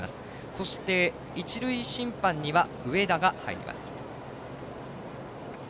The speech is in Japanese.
そして、一塁審判には上田が入ります。